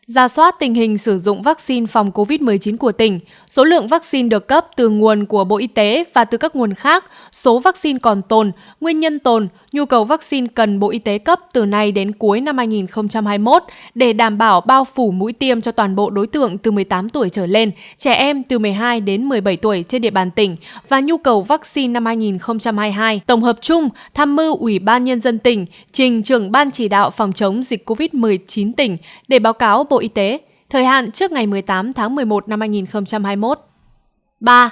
ba giao sở y tế chủ trì phối hợp với ủy ban nhân dân tỉnh ban chỉ đạo phòng chống dịch covid một mươi chín các huyện thị xã thành phố căn cứ nội dung yêu cầu báo cáo kèm theo công văn số chín nghìn sáu trăm bảy mươi bitdp